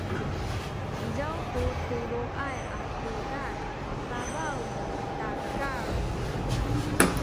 izaw ku tuluay a cudad i pabaw nu takal